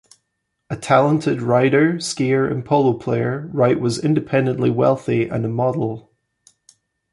A talented rider, skier, and polo player, Wright was independently wealthy and a model.